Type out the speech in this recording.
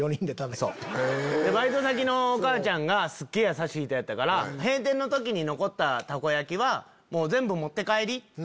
バイト先のお母ちゃんがすっげぇ優しい人やったから「閉店の時に残ったたこ焼きは全部持って帰り」って。